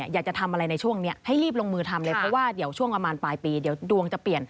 อยากจะทำอะไรในช่วงนี้ให้รีบลงมือทำเลยเพราะว่าเดี๋ยวช่วงประมาณปลายปีเดี๋ยวดวงจะเปลี่ยน